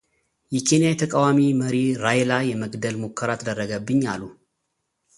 የኬንያ የተቃዋሚ መሪ ራይላ ‘የመግደል ሙከራ’ ተደረገብኝ አሉ